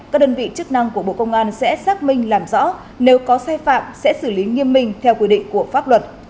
các đơn vị chức năng của bộ công an sẽ xác minh làm rõ nếu có sai phạm sẽ xử lý nghiêm minh theo quy định của pháp luật